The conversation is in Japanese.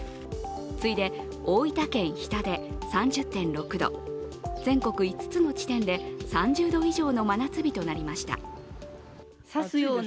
次いで大分県日田で３０．６度、全国５つの地点で３０度以上の真夏日となりました。